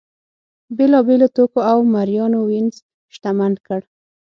بېلابېلو توکو او مریانو وینز شتمن کړ.